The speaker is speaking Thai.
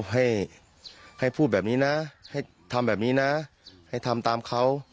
ให้ให้พูดแบบนี้นะให้ทำแบบนี้นะให้ทำตามเขา